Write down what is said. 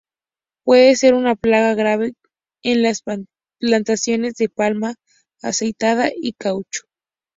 Puede ser una plaga grave en las plantaciones de palma aceitera y caucho.